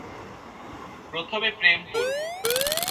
প্রথমে প্রেম করব।